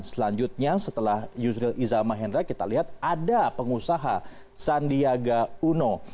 selanjutnya setelah yusril iza mahendra kita lihat ada pengusaha sandiaga uno